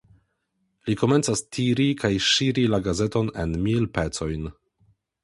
Li komencas tiri kaj ŝiri la gazeton en mil pecojn.